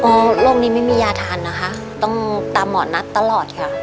เพราะโรคนี้ไม่มียาทานนะคะต้องตามหมอนัดตลอดค่ะ